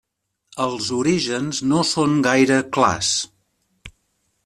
Els orígens no són gaire clars.